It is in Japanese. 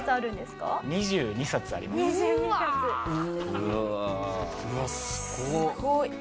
すごい。